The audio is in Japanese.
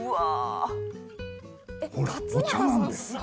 ほらお茶なんです。